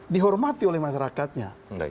dihormati oleh masyarakatnya